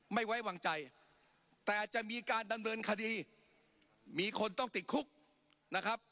ไม่ไว้วางใจแต่จะมีการดำเนินคดีมีคนต้องติดคุกนะครับ